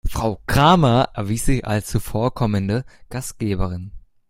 Frau Kramer erwies sich als zuvorkommende Gastgeberin.